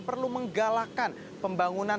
perlu menggalakkan pembangunan